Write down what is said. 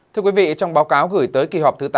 thưa quý vị trong báo cáo gửi tới kỳ họp thứ tám